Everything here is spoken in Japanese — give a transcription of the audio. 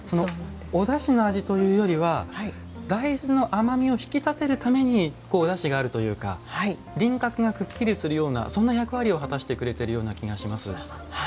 おだしの味というよりは大豆の甘みを引き立てるためにおだしがあるというか輪郭がくっきりするようなそんな役割を果たしてくれてるような気がします。